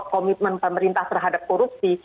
komitmen pemerintah terhadap korupsi